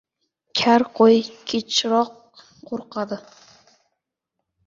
• Kar qo‘y kechroq qo‘rqadi.